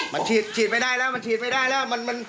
มันฉีดไม่ได้แล้วมันฉีดไม่ได้แล้ว